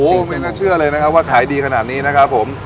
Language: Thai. ผมเนี่ยน่าเชื่อเลยนะครับว่าขายดีขนาดนี้นะครับผม